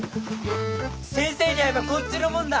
先生に会えばこっちのもんだ！